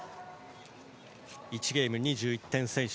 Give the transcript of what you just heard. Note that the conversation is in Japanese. １ゲーム２１点先取。